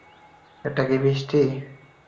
এটা কি বৃষ্টি?